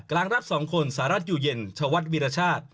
กลางรัก๒คนสหรัฐอยู่เย็นชวัดวิรชาติ